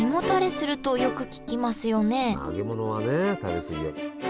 あ揚げ物はね食べ過ぎは。